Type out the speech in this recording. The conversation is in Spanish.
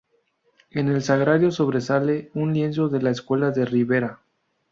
En el Sagrario sobresale un lienzo de la escuela de Ribera.